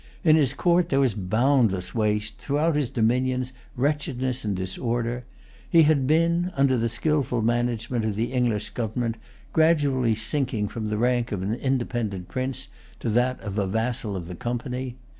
In his court there was boundless waste, throughout his dominions wretchedness and disorder. He had been, under the skilful management of the English government, gradually sinking from the rank of an independent prince to that of a vassal of the Company.